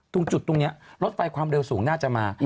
ตรงจุดตรงนี้รถไฟความเร็วสูงน่าจะมา